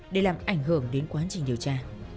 để làm ảnh hưởng đến quá trình điều tra